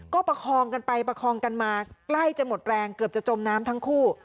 ก็ประคองกันไปประคองกันมาใกล้จะหมดแรงเกือบจะจมน้ำทั้งคู่